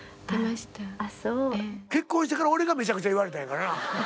結婚してから俺がめちゃくちゃ言われたんやからな。